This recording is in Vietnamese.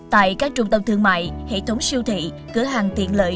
tại các trung tâm thương mại hệ thống siêu thị cửa hàng tiện lợi